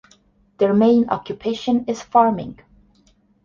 Their main occupation is farming.